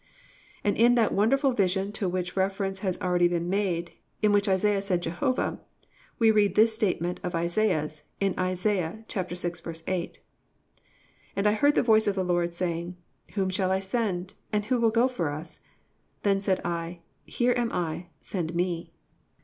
"+ And in that wonderful vision to which reference has already been made, in which Isaiah saw Jehovah, we read this statement of Isaiah's in Isa. 6:8: +"And I heard the voice of the Lord, saying, Whom shall I send, and who will go for us? Then said I, Here am I; send me."